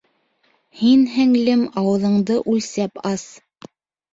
Һин, һеңлем, ауыҙыңды үлсәп ас!